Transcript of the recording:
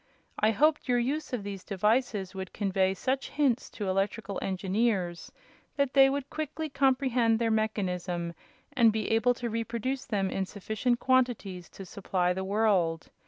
I hoped your use of these devices would convey such hints to electrical engineers that they would quickly comprehend their mechanism and be able to reproduce them in sufficient quantities to supply the world.